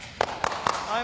はい。